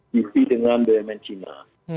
bv dengan bumn cina